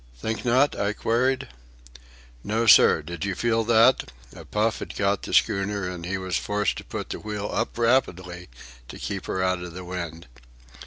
"Think not?" I queried. "No, sir. Did you feel that?" (A puff had caught the schooner, and he was forced to put the wheel up rapidly to keep her out of the wind.)